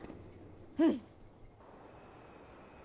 うん。